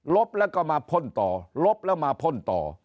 บแล้วก็มาพ่นต่อลบแล้วมาพ่นต่อ